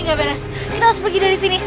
gak beres kita harus pergi dari sini